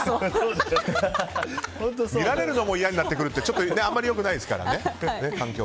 見られるのも嫌になってくるってちょっとあんまり良くないですからね。